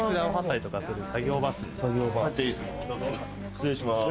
失礼します。